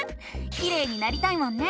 きれいになりたいもんね！